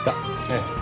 ええ。